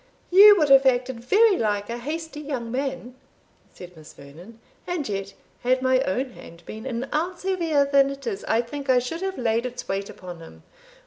"You would have acted very like a hasty young man," said Miss Vernon; "and yet, had my own hand been an ounce heavier than it is, I think I should have laid its weight upon him.